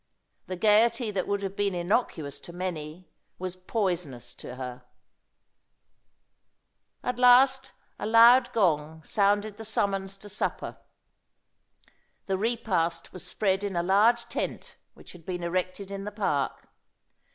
The gaiety that would have been innocuous to many was poisonous to her. At last a loud gong sounded the summons to supper. The repast was spread in a large tent which had been erected in the park.